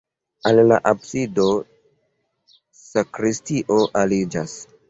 Al la absido sakristio aliĝas.